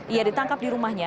ia ditangkap di rumahnya